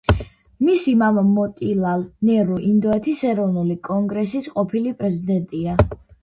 მისი მამა მოტილალ ნერუ ინდოეთის ეროვნული კონგრესის ყოფილი პრეზიდენტია.